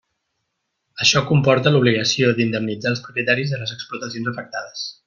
Això comporta l'obligació d'indemnitzar els propietaris de les explotacions afectades.